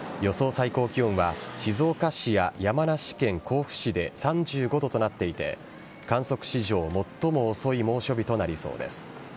最高気温は静岡市や山梨県甲府市で３５度となっていて観測史上最も遅い猛暑日となりそうです。